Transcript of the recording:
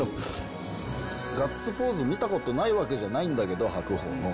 ガッツポーズ見たことないわけじゃないんだけど、白鵬の。